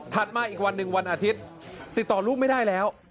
มาอีกวันหนึ่งวันอาทิตย์ติดต่อลูกไม่ได้แล้ว